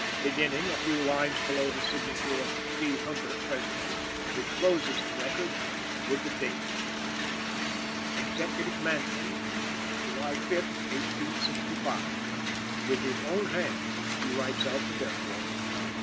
Beginning, a few lines below the signature of "D. Hunter, President" which closes the record, with the date, "Executive Mansion, July 5th, 1865," "with his own hand" he writes out the death warrant.